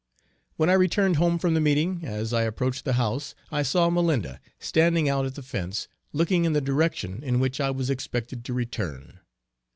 When I returned home from the meeting as I approached the house I saw Malinda, standing out at the fence looking in the direction in which I was expected to return.